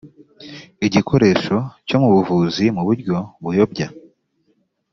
igikoresho cyo mu buvuzi mu buryo buyobya